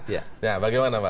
ya bagaimana pak